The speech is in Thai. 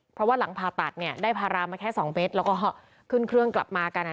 เพราะว่าหลังผ่าตัดเนี่ยได้พารามาแค่๒เมตรแล้วก็ขึ้นเครื่องกลับมากัน